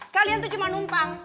kalian tuh cuma numpang